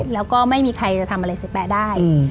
แล้วก็ไม่มีใครจะทำอะไรเสียแป๊ะได้